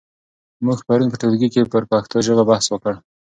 موږ پرون په ټولګي کې پر پښتو ژبه بحث وکړ.